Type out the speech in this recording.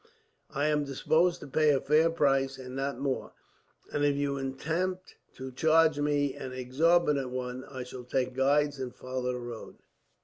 I am disposed to pay a fair price and not more, and if you attempt to charge an exorbitant one, I shall take guides and follow the road."